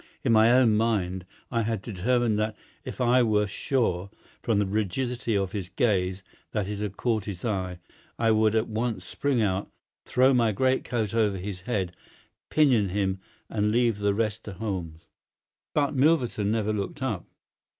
In my own mind I had determined that if I were sure, from the rigidity of his gaze, that it had caught his eye, I would at once spring out, throw my great coat over his head, pinion him, and leave the rest to Holmes. But Milverton never looked up.